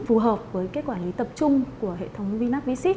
phù hợp với quản lý tập trung của hệ thống vinapisit